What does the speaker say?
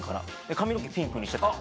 髪の毛ピンクにしてたり。